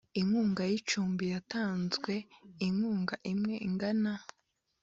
Inkunga y icumbi yatanzwe ingunga imwe ingana